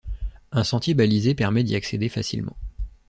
Un sentier balisé permet d'y accéder facilement.